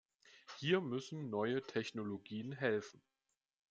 Hier müssen neue Technologien helfen.